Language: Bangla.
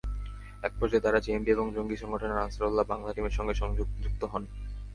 একপর্যায়ে তাঁরা জেএমবি এবং জঙ্গি সংগঠন আনসারুল্লাহ বাংলা টিমের সঙ্গে যুক্ত হন।